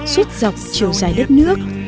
xuyết dọc chiều dài đất nước